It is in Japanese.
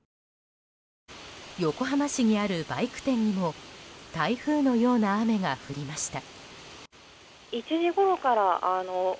横浜市にあるバイク店にも台風のような雨が降りました。